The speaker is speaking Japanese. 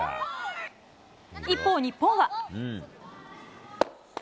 一方、日本は。